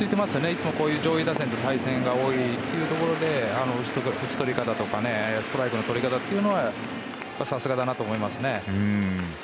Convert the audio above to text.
いつも上位打線と対戦が多いというところで打ち取り方とかストライクのとり方はさすがだなと思います。